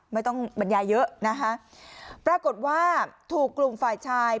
บรรยายเยอะนะคะปรากฏว่าถูกกลุ่มฝ่ายชาย